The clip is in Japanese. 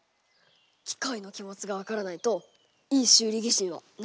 機械の気持ちが分からないといい修理技師にはなれないんで。